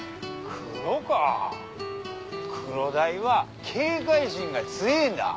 クロダイは警戒心が強えんだ。